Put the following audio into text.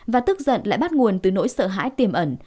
và tức giận lại bắt nguồn từ nỗi sợ hãi tiềm ẩn